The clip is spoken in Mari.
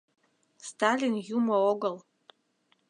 — Сталин юмо огыл.